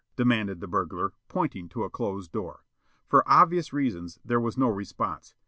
demanded the burglar, pointing to a closed door. For obvious reasons there was no response.